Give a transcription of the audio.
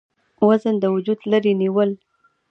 وزن د وجوده لرې نيول ،